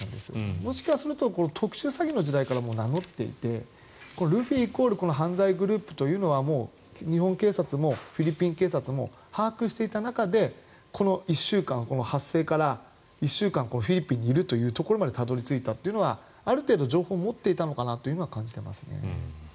もしかすると特殊詐欺の時代から名乗っていてルフィイコール犯罪グループというのは日本警察もフィリピン警察も把握していた中でこの発生から１週間フィリピンにいるというところまでたどり着いたというのはある程度、情報を持っていたのかなというのは感じていますね。